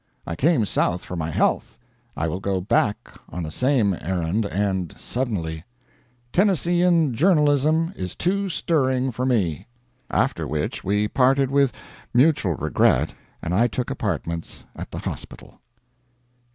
I came South for my health, I will go back on the same errand, and suddenly. Tennesseean journalism is too stirring for me." After which we parted with mutual regret, and I took apartments at the hospital.